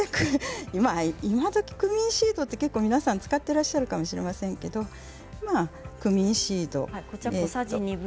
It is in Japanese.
今どきクミンシードは皆さん結構使ってらっしゃるかもしれませんけれどもクミンシード。